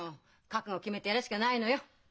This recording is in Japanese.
覚悟を決めてやるしかないのよ！